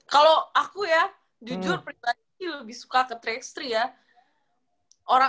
kalau aku ya jujur pribadi lebih suka ke tiga x tiga ya